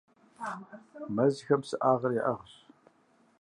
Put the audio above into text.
Мэзхэм псыӀагъыр яӀыгъщ.